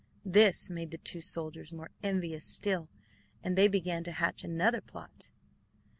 This made the two soldiers more envious still, and they began to hatch another plot.